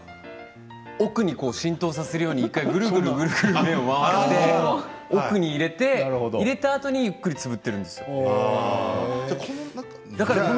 奥に浸透させるように１回ぐるぐる目を回して奥に入れて、入れたあとにゆっくりつぶっているんです。